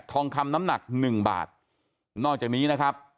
ทองคำน้ำหนักหนึ่งบาทนอกจากนี้นะครับ